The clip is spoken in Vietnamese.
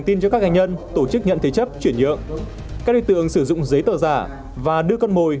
thiết chấp chuyển nhượng các đối tượng sử dụng giấy tờ giả và đưa con mồi